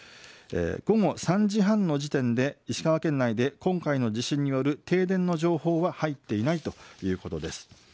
午後３時半の時点で石川県内で今回の地震による停電の情報は入っていないということです。